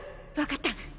分かった！